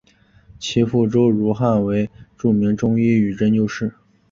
其父周汝汉为著名中医与针灸师。